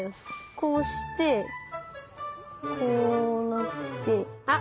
こうしてこうなってあっ！